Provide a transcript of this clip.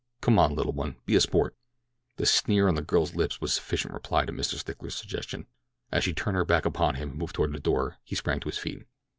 Come on, little one, be a sport!" The sneer on the girl's lip was sufficient reply to Mr. Stickler's suggestion. As she turned her back upon him and moved toward the door he sprang to his feet.